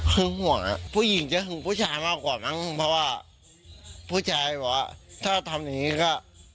คือห่วงอ่ะผู้หญิงจะหึงผู้ชายมากกว่ามั้งเพราะว่าผู้ชายบอกว่าถ้าทำอย่างนี้ก็